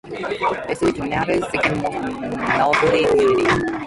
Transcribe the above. This is Canada's second most northerly community.